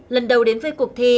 lần đầu đến với cuộc thi